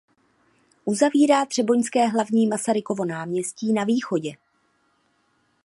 Uzavírá třeboňské hlavní Masarykovo náměstí na východě.